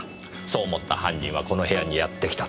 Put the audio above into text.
そう思った犯人はこの部屋にやって来た。